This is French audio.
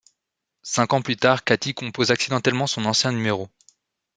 Cinq ans plus tard, Katie compose accidentellement son ancien numéro.